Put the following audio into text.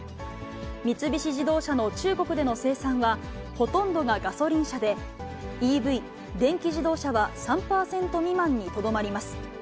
三菱自動車の中国での生産はほとんどがガソリン車で、ＥＶ・電気自動車は３％未満にとどまります。